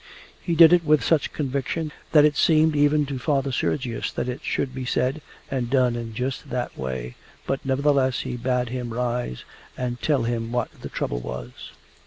He did it with such conviction that it seemed even to Father Sergius that it should be said and done in just that way, but nevertheless he bade him rise and tell him what the trouble was.